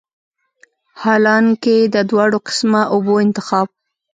حالانکه د دواړو قسمه اوبو انتخاب